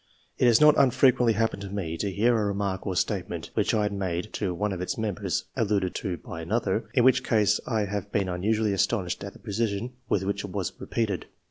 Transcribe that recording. It has not unfrequently happened to me to hear a remark or statement, which I had made to one of its members, alluded to by another, in which case I have been usually astonished at the precision with which it was repeated.